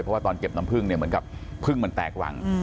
เพราะว่าตอนเก็บน้ำพึ่งเนี่ยเหมือนกับพึ่งมันแตกรัง